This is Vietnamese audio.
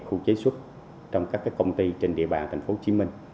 khu chế xuất trong các công ty trên địa bàn thành phố hồ chí minh